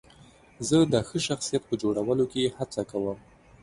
زه د ښه شخصیت په جوړولو کې هڅه کوم.